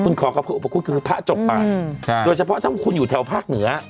คุณขอกับพระอุปคุฎคือพระจบปากโดยเฉพาะถ้าคุณอยู่แถวภาคเหนือ